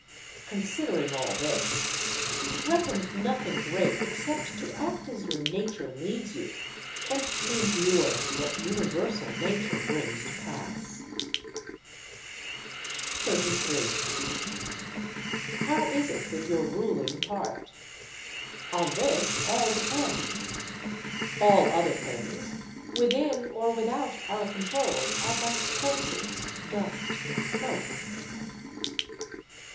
Considering all this, reckon nothing great except to act as your nature leads you, and to endure what universal Nature brings to pass. 33. How is it with your ruling part? On this all depends. All other things, within or without our control, are but corpses, dust, and smoke.